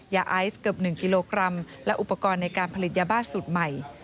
ยาไอซ์เกือบ๑กิโลกรัมและอุปกรณ์ในการผลิตยาบ้าสูตรใหม่